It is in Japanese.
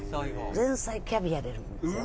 前菜キャビア出るんですよ。